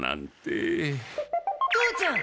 父ちゃん